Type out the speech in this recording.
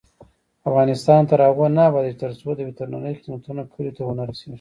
افغانستان تر هغو نه ابادیږي، ترڅو د وترنري خدمتونه کلیو ته ونه رسیږي.